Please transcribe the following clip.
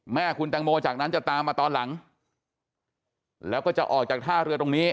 แม่คุณแตงโมจากนั้นจะตามมาตอนหลังแล้วก็จะออกจากท่าเรือตรงนี้